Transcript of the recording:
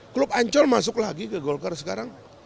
klub ancol masuk lagi ke golkar sekarang